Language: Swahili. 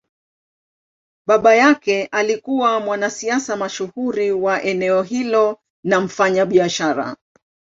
Baba yake alikuwa mwanasiasa mashuhuri wa eneo hilo na mfanyabiashara.